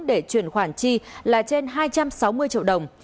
để chuyển khoản chi là trên hai trăm sáu mươi triệu đồng